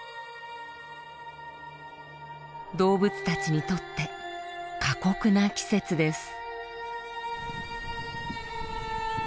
動物たちにとって過酷な季節です。